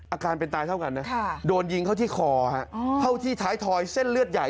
อาการเป็นตายเท่ากันนะโดนยิงเข้าที่คอเข้าที่ท้ายทอยเส้นเลือดใหญ่